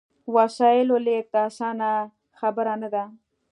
وسایلو لېږد اسانه خبره نه ده.